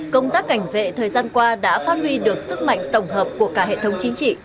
công tác cảnh vệ thời gian qua đã phát huy được sức mạnh tổng hợp của cả hệ thống chính trị